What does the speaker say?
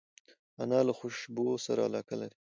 انا له خوشبو سره علاقه لري